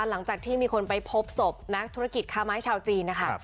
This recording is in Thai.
หลังจากที่มีคนไปพบศพนักธุรกิจค้าไม้ชาวจีนนะคะ